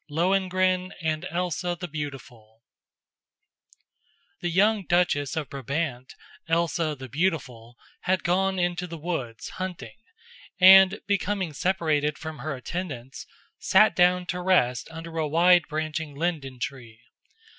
LOHENGRIN AND ELSA THE BEAUTIFUL The young Duchess of Brabant, Elsa the Beautiful, had gone into the woods hunting, and becoming separated from her attendants, sat down to rest under a wide branching linden tree.